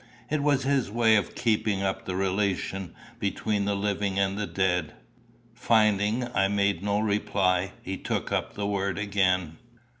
It was his way of keeping up the relation between the living and the dead. Finding I made him no reply, he took up the word again.